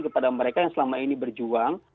kepada mereka yang selama ini berjuang